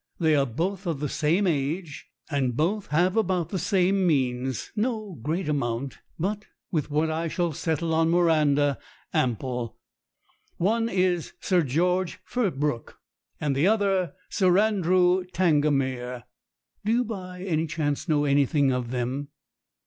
They are both of the same age, and both have about the same means no great amount, but, with what I shall settle on Miranda, ample. One is Sir George Firbrook, and 42 STORIES WITHOUT TEARS the other Sir Andrew Tangamere. Do you by any chance know anything of them?"